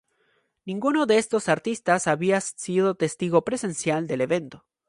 Ninguno de estos artistas había sido testigo presencial del evento.